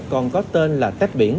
còn có tên là tét biển